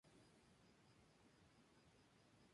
Los dos hijos varones siguieron la carrera de Leyes.